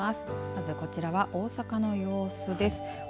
まず、こちらは大阪の様子です。